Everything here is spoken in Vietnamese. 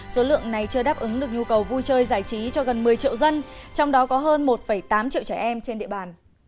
số lượng này chưa đáp ứng được nhu cầu vui chơi giải trí cho gần một mươi triệu dân trong đó có hơn một tám triệu trẻ em trên địa bàn